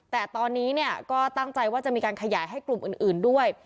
แต่ตอนนี้เนี่ยก็ตั้งใจว่าจะมีการขยายให้กลุ่มอื่นด้วย